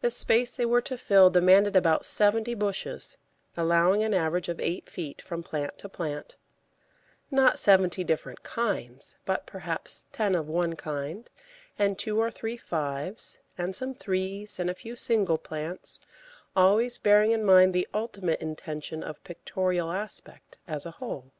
The space they were to fill demanded about seventy bushes, allowing an average of eight feet from plant to plant not seventy different kinds, but, perhaps, ten of one kind, and two or three fives, and some threes, and a few single plants, always bearing in mind the ultimate intention of pictorial aspect as a whole.